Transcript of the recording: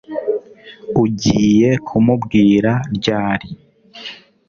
Ugiye kumubwira ryari